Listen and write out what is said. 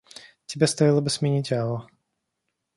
Тебе стоило бы сменить аву.